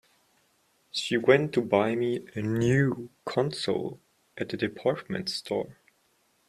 She went to buy me a new console at the department store.